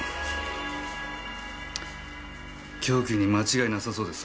凶器に間違いなさそうです。